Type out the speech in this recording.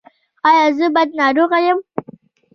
ایا زه بد ناروغ یم؟